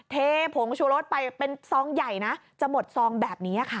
เทผงชูรสไปเป็นซองใหญ่นะจะหมดซองแบบนี้ค่ะ